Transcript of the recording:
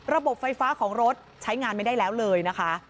ระบบไฟฟ้าของรถใช้งานไม่ได้แล้วเลยนะคะ